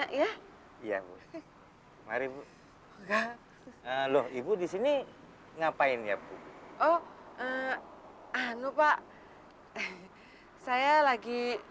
banyak ya iya bu mari bu lho ibu di sini ngapain ya bu oh anu pak saya lagi